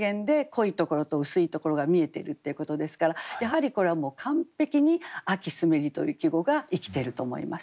濃いところと薄いところが見えてるっていうことですからやはりこれはもう完璧に「秋澄めり」という季語が生きてると思います。